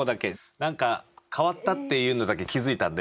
なんか変わったっていうのだけ気づいたんで。